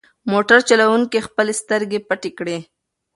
موټر چلونکي خپلې سترګې پټې کړې.